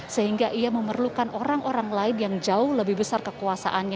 sehingga ia memerlukan orang orang lain yang jauh lebih besar kekuasaannya